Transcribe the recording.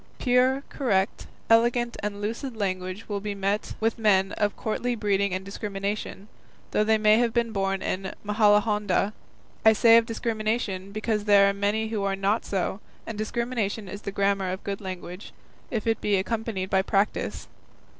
Pure, correct, elegant and lucid language will be met with in men of courtly breeding and discrimination, though they may have been born in Majalahonda; I say of discrimination, because there are many who are not so, and discrimination is the grammar of good language, if it be accompanied by practice.